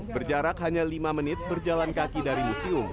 berjarak hanya lima menit berjalan kaki dari museum